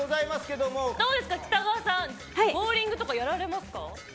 どうですかボウリングとかやられますか。